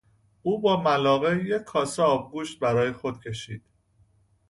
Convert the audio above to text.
او با ملاقه یک کاسه آبگوشت برای خود کشید.